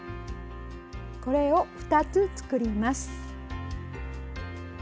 これを２つ作ります。